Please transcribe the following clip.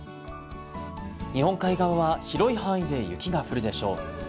日本海側は、広い範囲で雪が降るでしょう。